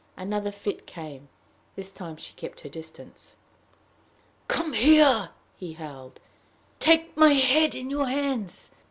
Another fit came. This time she kept her distance. "Come here," he howled; "take my head in your hands."